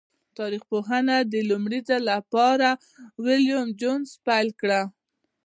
تاریخي ژبپوهنه د لومړی ځل له پاره ویلم جونز پیل کړه.